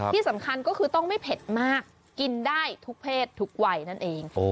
ที่สำคัญก็คือต้องไม่เผ็ดมากกินได้ทุกเพศทุกวัยนั่นเอง